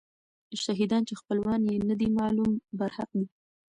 شهیدان چې خپلوان یې نه دي معلوم، برحق دي.